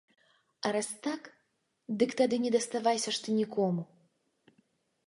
А раз так, дык тады не даставайся ж ты нікому!